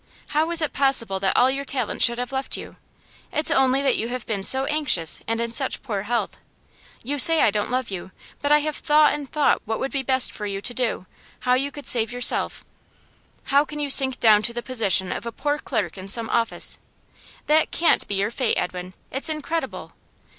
How is it possible that all your talent should have left you? It's only that you have been so anxious and in such poor health. You say I don't love you, but I have thought and thought what would be best for you to do, how you could save yourself. How can you sink down to the position of a poor clerk in some office? That CAN'T be your fate, Edwin; it's incredible.